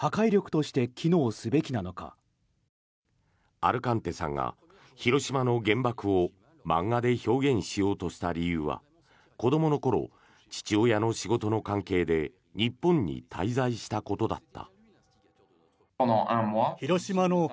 アルカンテさんが広島の原爆を漫画で表現しようとした理由は子どもの頃、父親の仕事の関係で日本に滞在したことだった。